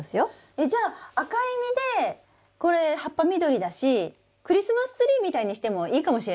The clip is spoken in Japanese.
えじゃあ赤い実でこれ葉っぱ緑だしクリスマスツリーみたいにしてもいいかもしれないですね１２月だし。